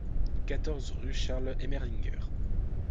quatorze rue Charles Emeringer